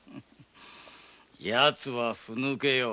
ヤツはふぬけよ。